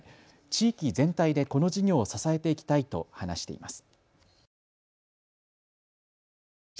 地域全体でこの事業を支えていきたいと話しています。